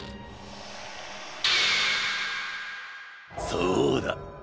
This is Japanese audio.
そうだ。